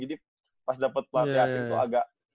jadi pas dapat pelatih asing tuh agak